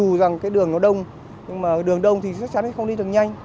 dù rằng cái đường nó đông nhưng mà đường đông thì chắc chắn không đi được nhanh